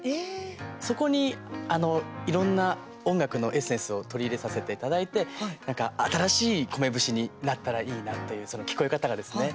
そこにいろんな音楽のエッセンスを取り入れさせていただいて新しい「米節」になったらいいなという、聞こえ方がですね。